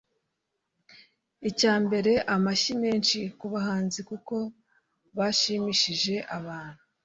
Icya mbere amashyi menshi ku habanzi kuko bashimishije abantu